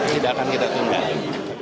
tidak akan kita tunggu